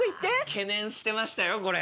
懸念してましたこれ。